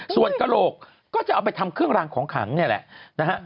ส่วนกระโหลกก็จะเอาไปทำเครื่องรางของขังนี่แหละนะฮะ